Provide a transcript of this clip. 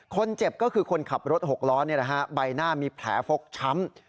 คนเจ็บก็คือคนขับรถหกล้อใบหน้ามีแผลฟกช้ำ